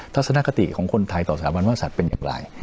ทัศนคติของคนไทยต่อสถาบันว่าสัตว์เป็นอย่างไร